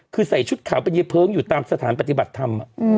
คือใส่ชุดขาวเป็นยายเพลิงอยู่ตามสถานปฏิบัติธรรม